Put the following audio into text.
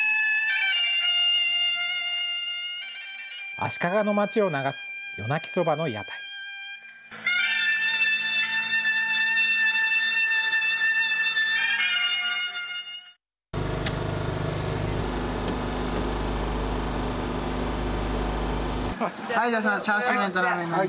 足利の街を流す夜鳴きそばの屋台はい